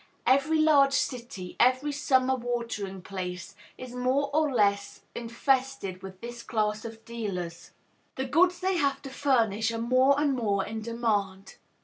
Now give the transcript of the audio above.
Every large city, every summer watering place, is more or less infested with this class of dealers. The goods they have to furnish are more and more in demand.